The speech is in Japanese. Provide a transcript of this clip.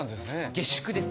下宿です！